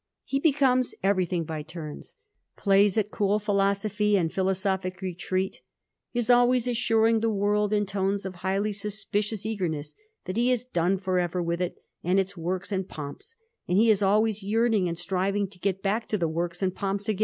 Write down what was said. * He becomes everything by turns: plays at cool philosophy and philosophic retreat ; is always assuring the world in tones of highly suspicious eagerness that he is done for ever with it and its works and pomps ; and he is always yearning and striving to get back to the works and pomps agam.